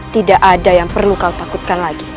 tidak ada yang perlu kau takutkan lagi